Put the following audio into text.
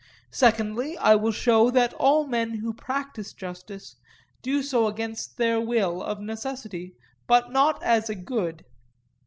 Secondly, I will show that all men who practise justice do so against their will, of necessity, but not as a good.